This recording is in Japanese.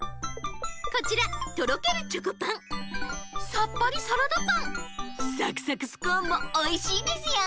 こちらとろけるチョコパンさっぱりサラダパンさくさくスコーンもおいしいですよ！